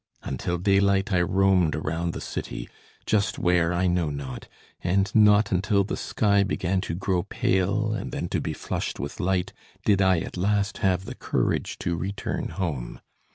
Until daylight I roamed around the city, just where I know not; and not until the sky began to grow pale and then to be flushed with light did I at last have the courage to return home.